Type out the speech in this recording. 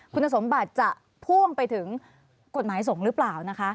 คุณสมบัติจะพ่วงไปถึงกฎหมายสงฆ์หรือเปล่านะคะ